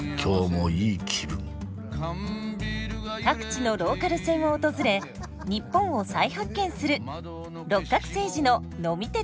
各地のローカル線を訪れ日本を再発見する